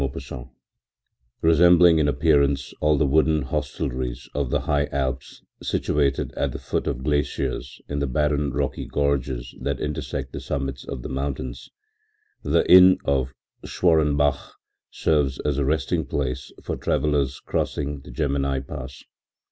” THE INN Resembling in appearance all the wooden hostelries of the High Alps situated at the foot of glaciers in the barren rocky gorges that intersect the summits of the mountains, the Inn of Schwarenbach serves as a resting place for travellers crossing the Gemini Pass.